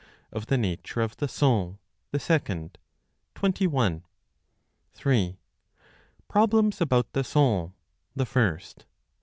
Of the Nature of the Soul, the Second, 21. 3. Problems about the Soul, the First, 27.